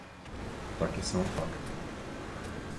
Takie są fakty